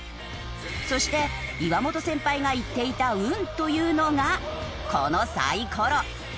そして岩本先輩が言っていた運というのがこのサイコロ。